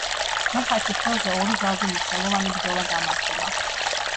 მოჰაჩის ველზე ორი ძალზე მნიშვნელოვანი ბრძოლა გამართულა.